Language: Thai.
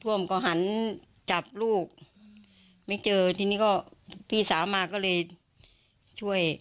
ร่วมก็หันจับลูกไม่เจอทีนี้ก็พี่สาวมาก็เลยช่วย